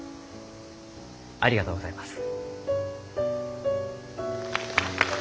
ありがとうございます。